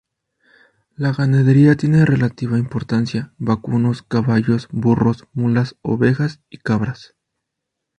La ganadería tiene relativa importancia: vacunos, caballos, burros, mulas, ovejas y cabras.